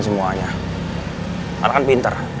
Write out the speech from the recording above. semuanya al kan pinter